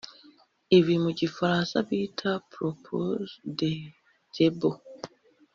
ibi mu gifaransa bita “propos de table”